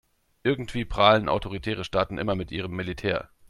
Irgendwie prahlen autoritäre Staaten immer mit ihrem Militär.